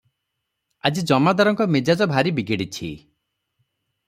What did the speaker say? ଆଜି ଜମାଦାରଙ୍କ ମିଜାଜ ଭାରି ବିଗିଡ଼ିଛି ।